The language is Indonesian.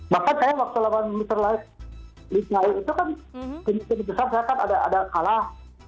bahkan saya waktu lawan mr lai itu kan kebijakan besar saya kan ada kalah